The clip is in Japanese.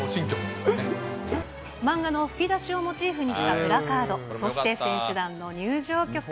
漫画の吹き出しをモチーフにしたプラカード、そして選手団の入場曲。